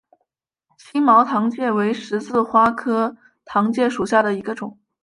星毛糖芥为十字花科糖芥属下的一个种。